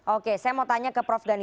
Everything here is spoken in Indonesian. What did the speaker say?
oke saya mau tanya ke prof dhani